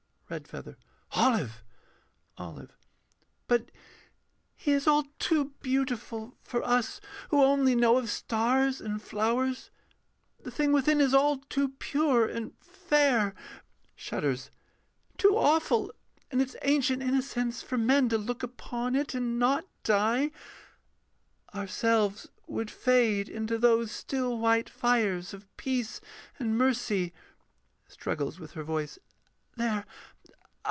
REDFEATHER. Olive! OLIVE. But He is all too beautiful For us who only know of stars and flowers. The thing within is all too pure and fair, [Shudders.] Too awful in its ancient innocence, For men to look upon it and not die; Ourselves would fade into those still white fires Of peace and mercy. [Struggles with her voice.] There